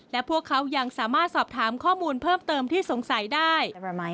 และพวกเขายังสามารถสอบถามข้อมูลเพิ่มเติมที่สงสัยได้